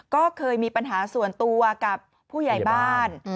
ก็เคยมีปัญหาส่วนตัวกับผู้ใหญ่บ้าน